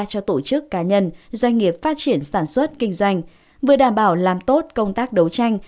cho tổ chức cá nhân doanh nghiệp phát triển sản xuất kinh doanh vừa đảm bảo làm tốt công tác đấu tranh